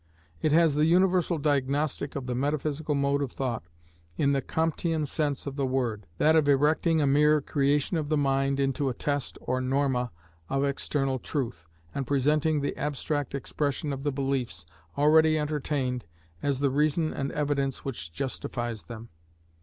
It has the universal diagnostic of the metaphysical mode of thought, in the Comtean sense of the word; that of erecting a mere creation of the mind into a test or norma of external truth, and presenting the abstract expression of the beliefs already entertained, as the reason and evidence which justifies them.